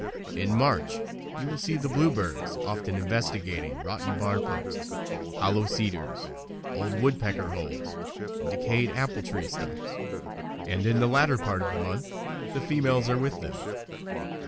In March you will see the bluebirds often investigating rotten bar posts, hollow cedars, old woodpecker holes, and decayed apple tree stumps. And in the latter part of the month the females are with them.